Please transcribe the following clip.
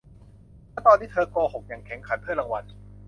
และตอนนี้เธอโกหกอย่างแข็งขันเพื่อรางวัล